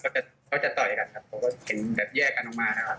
เขาจะต่อยกันครับเขาก็เห็นแบบแยกกันมากครับ